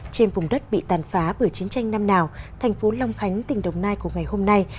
trên vùng đất bị tàn phá bởi chiến tranh năm nào thành phố long khánh tỉnh đồng nai của ngày hôm nay